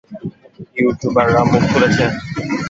YouTuber মুখ খুলেছে?